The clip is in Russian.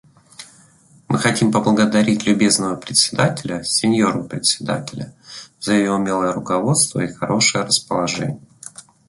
Мы хотим поблагодарить любезного Председателя — сеньору Председателя — за ее умелое руководство и хорошее расположение.